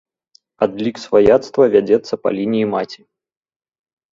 Адлік сваяцтва вядзецца па лініі маці.